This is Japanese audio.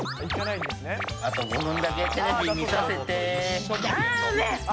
あと５分だけテレビ見させて。